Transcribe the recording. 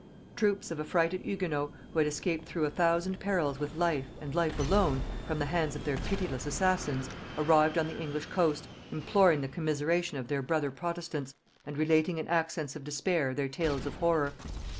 Troops of affrighted Hugonots, who had escaped through a thousand perils with life, and life alone, from the hands of their pitiless assassins, arrived on the English coast, imploring the commiseration of their brother protestants, and relating in accents of despair their tale of horrors.